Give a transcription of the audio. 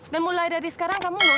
dan mulai dari sekarang kamu loh